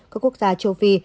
các quốc gia châu phi